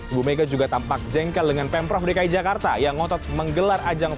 ibu mega juga tampak jengkel dengan pemprov dki jakarta yang ngotot menggelar ajang